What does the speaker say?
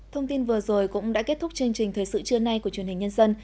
thông tin vừa rồi cũng đã kết thúc chương trình thời sự trưa nay của truyền hình nhân dân